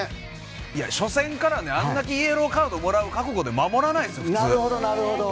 初戦からあれだけイエローカードもらう覚悟で守らないですよ、普通。